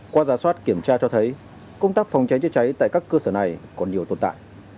qua giả soát kiểm tra cho thấy công tác phòng cháy chữa cháy tại các cơ sở này còn nhiều tồn tại